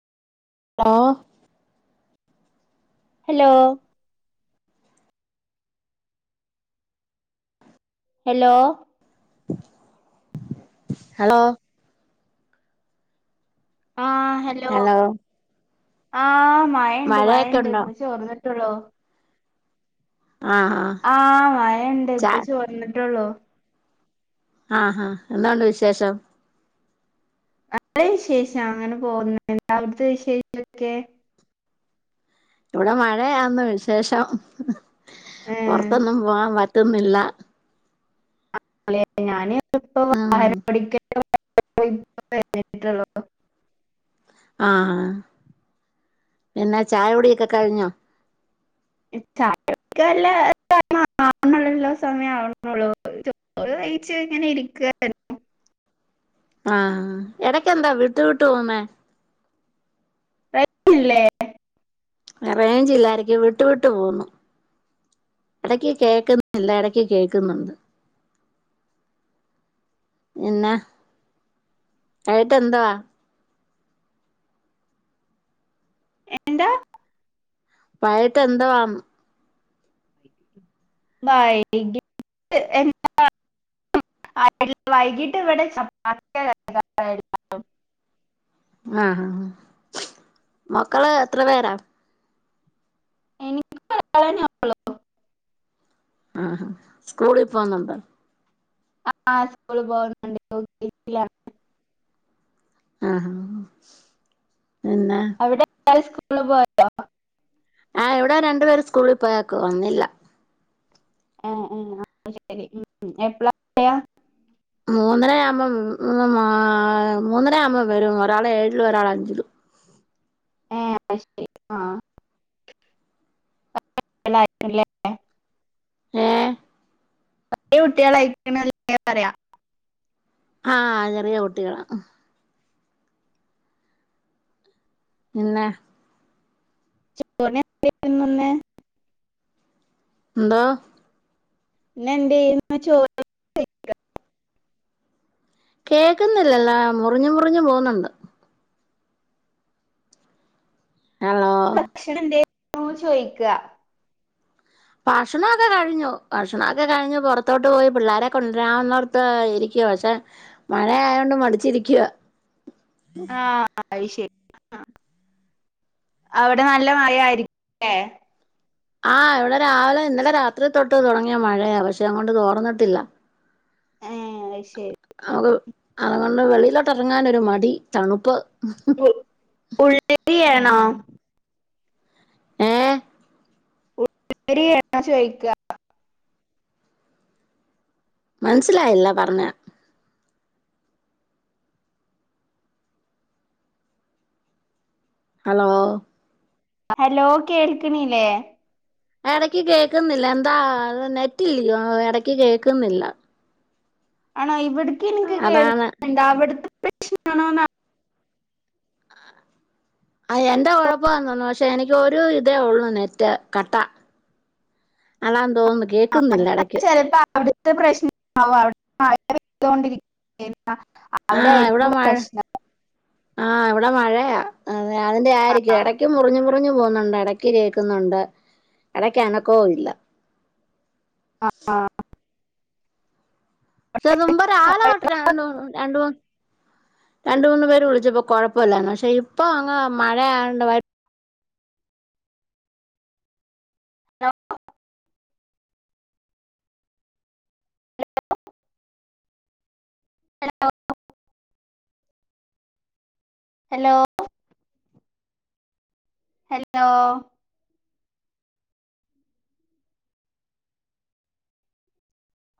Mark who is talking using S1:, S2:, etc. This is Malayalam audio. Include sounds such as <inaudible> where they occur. S1: ആഹ്
S2: ഹലോ ഹലോ
S1: ഹലോ
S2: ആഹ് ഹലോ. ആഹ് മഴണ്ട്
S1: മഴയൊക്കെ
S2: മഴണ്ട്
S1: ഉണ്ടോ
S2: ഇപ്പ ചോർന്ന് ട്ടൊള്ളൂ
S1: ആഹ് ആഹ്
S2: ആഹ് മയണ്ട്
S1: ച
S2: ഇപ്പ
S1: ആഹ്
S2: ചോർന്നിട്ടുള്ളൂ
S1: ആഹ് ആഹ് എന്താണ്ട് വിശേഷം
S2: അ ല്ല വിശേഷം അങ്ങനെ പോകുന്ന് എന്താ അവിടുത്തെ വിശേഷം ഒക്കെ
S1: ഇവിടെ മഴയാന്ന് വിശേഷം.
S2: ഏഹ്
S1: പൊറത്തൊന്നും പോവാൻ പറ്റുന്നില്ല
S2: <unintelligible> ഞാന് ഇപ്പൊ
S1: ഉം
S2: <unintelligible> പഠിക്കെ <unintelligible> പോയി ഇപ്പൊ <unintelligible>
S1: ആഹ് പിന്നെ ചായകുടിയൊക്കെ കഴിഞ്ഞോ
S2: <unintelligible> ക്കാല്ല സമയ ആണള്ള എല്ലോ സമയം ആവണള്ളൂ ചോറ് കയിച്ച് ഇങ്ങനെ ഇരിക്കാ
S1: ആഹ് എടയ്ക് എന്താ വിട്ട് വിട്ട് പോവുന്നെ
S2: റേഞ്ച് ഇല്ലേ
S1: റേഞ്ച് ഇല്ലായിരിക്കും വിട്ട് വിട്ട് പോവുന്നു ഇടയ്ക്ക് കേൾക്കുന്നില്ല ഇടയ്ക്ക് കേൾക്കുന്നുണ്ട് എന്നാ കയിട്ട് എന്തോവാ
S2: എന്താ
S1: പായിട്ട് എന്ത് വാം
S2: വൈകീട്ട് <unintelligible> എന്താ <unintelligible> വൈകീട്ട് ഇവിടെ ചപ്പാത്തിയ കഴിക്കാ ഏഡ് <unintelligible>
S1: ആഹ് ആഹ് ആഹ്. മക്കള് എത്ര പേരാ
S2: എനിക്ക് <unintelligible>
S1: ആഹ്സ്കൂളി പോന്നുണ്ടോ
S2: ആഹ് സ്കൂൾ പോവുന്നുണ്ട് യു കെ ജി
S1: ആഹാ തെന്നേ
S2: അവിടെ എല്ലാരും സ്കൂൾള് പോയോ
S1: ആ ഇവിടെ രണ്ടുപേര് സ്കൂളിൽ പോയാക്കുവാ വന്നില്ല
S2: ആഹ് ആഹ് അപ്പോ ശേരി എപ്പളാ
S1: മൂന്നര ആവുമ്പം മൂന്നര ആവുമ്പം വരും. ഒരാൾ ഏഴില് ഒരാൾ അഞ്ചിലും
S2: ഏഹ് അ ശരി ആഹ് <unintelligible>
S1: ഏഹ്
S2: വല്യ കുട്ടികൾയ്ക്കണ്ലെ പറയാ
S1: ആഹ് ചെറിയ കുട്ടികളാ പിന്നെ
S2: ജ് <unintelligible> വന്നേ
S1: എന്താ
S2: ഇന്നേന്തേയിന്ന് ചോർ
S1: കേൾക്കുന്നില്ലല്ല മുറിഞ്ഞു മുറിഞ്ഞു പോകുന്നുണ്ട് ഹലോ
S2: ഭക്ഷണം എന്തെ യ്ന്നു ചോയിക്ക
S1: ഭക്ഷണൊക്കെ കഴിഞ്ഞു. ഭക്ഷണൊക്കെ കഴിഞ്ഞു പുറത്തോട്ട് പോയി പിള്ളോര കൊണ്ടരാവുന്നോടത്ത് ഇരിക്കുവ. പക്ഷെ, മഴ ആയൊണ്ട് മടിച്ചിരിക്കുവ.
S2: ആഹ് അയ്ശരി അവിടെ നല്ല മഴയിരിക്കുല്ലേ
S1: ആഹ് ഇവിടെ രാവിലെ ഇന്നലെ രാത്രി തൊട്ട് തുടങ്ങിയ മഴയ പക്ഷെ അങ്ങോട്ട് തോർന്നട്ടില്ല.
S2: ഏഹ് അയ്ശരി
S1: അത് അതുകൊണ്ട് വെളിയിലോട്ട് ഇറങ്ങാനൊരു മടി തണുപ്പ്.
S2: ഉ ഉള്ളരിയ ആണോ
S1: ഏ
S2: ഉള്ളരി ആണോ ചോയിക്ക
S1: മനസ്സിലായില്ല പറഞ്ഞ ഹലോ
S2: ഹലോ കേൾക്കണില്ലേ.
S1: ഇടയ്ക്ക് കേക്കുന്നില്ല എന്താ അത് നെറ്റില്ലയോ ഇടക്ക് കേക്കുന്നില്ല.
S2: ആണോ ഇവിടിക്ക് എനിക്ക്
S1: അതാണ്
S2: കേൾക്കന്ന്ണ്ട് അവിടത്തെ പ്രശ്നണോന്ന.
S1: ആഹ് എന്റെ കുഴപ്പാന്ന് തോന്നു പക്ഷെ എനിക്ക് ഒരു ഇതേ ഉള്ളൂ നെറ്റ് കട്ടാ അതാന്ന് തോന്നുന്നു
S2: ആഹ്
S1: കേക്കുന്നില്ല ഇടക്ക്
S2: എന്ന ചിലപ്പോ അവിടുത്തെ പ്രശ്നവും അവിടെ മഴ പെയ്തൊണ്ടിരി <unintelligible> അവിടെ ആയിരിക്കും പ്രശ്നം
S1: ആഹ് ഇവിടെ മഴയാ അതിന്റെ
S2: ആ
S1: ആരിക്കും ഇടക്ക് മുറിഞ്ഞു മുറിഞ്ഞു പോന്നുണ്ട്. ഇടക്ക് കേക്കുന്നുണ്ട് ഇടക്ക് അനക്കോം ഇല്ല.
S2: ആഹ് ആഹ്
S1: മുൻപ് രാവിലെ തൊട്ട് രണ്ട് മൂന്ന് രണ്ട് മൂന്ന് രണ്ട് മൂന്ന് പേര് വിളിച്ചപ്പോ കുഴപ്പമില്ലന്ന് പക്ഷെ ഇപ്പൊ അങ്ങ് മഴയായൊണ്ട്
S2: <unintelligible> ഹലോ <inaudible> ഹലോ ഹലോ